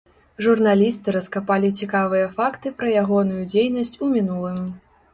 Журналісты раскапалі цікавыя факты пра ягоную дзейнасць у мінулым.